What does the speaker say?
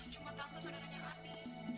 cuma tante sudah renyah hati